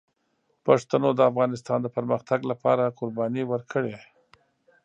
پښتنو د افغانستان د پرمختګ لپاره قربانۍ ورکړي.